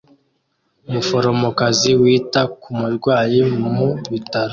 Umuforomokazi wita ku murwayi mu bitaro